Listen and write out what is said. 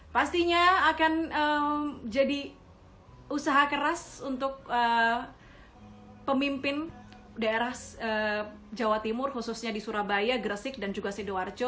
pastinya akan jadi usaha keras untuk pemimpin daerah jawa timur khususnya di surabaya gresik dan juga sidoarjo